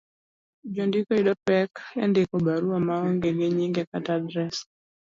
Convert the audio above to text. Jondiko yudo pek e ndiko barua maonge gi nyinge kata adres,